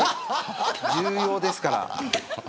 重要ですから。